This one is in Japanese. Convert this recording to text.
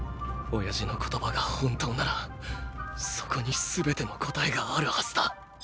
親父の言葉が本当ならそこにすべての答えがあるはずだ。